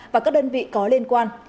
và các đơn vị có liên quan